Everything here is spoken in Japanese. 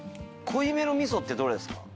濃いめの味噌ってどれですか？